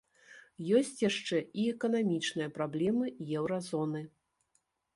Ёсць яшчэ і эканамічныя праблемы еўразоны.